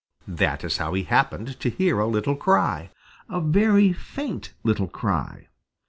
That is how he happened to hear a little cry, a very faint little cry.